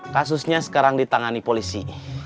kasusnya sekarang ditangani polisi